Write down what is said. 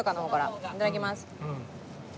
いただきます。